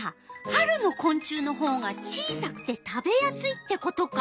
春のこん虫のほうが小さくて食べやすいってことか。